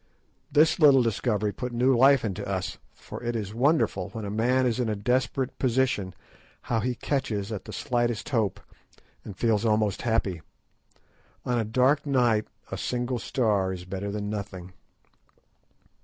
This little discovery put new life into us; for it is wonderful, when a man is in a desperate position, how he catches at the slightest hope, and feels almost happy. On a dark night a single star is better than nothing.